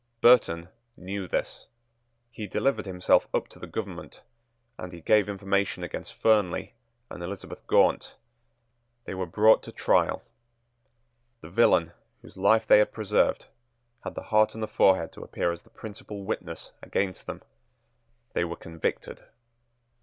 Burton knew this. He delivered himself up to the government; and he gave information against Fernley and Elizabeth Gaunt. They were brought to trial. The villain whose life they had preserved had the heart and the forehead to appear as the principal witness against them. They were convicted.